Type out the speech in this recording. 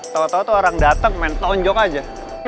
tawa tawa tuh orang dateng main tonjok aja